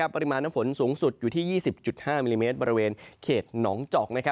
ปริมาณน้ำฝนสูงสุดอยู่ที่๒๐๕มิลลิเมตรบริเวณเขตหนองจอก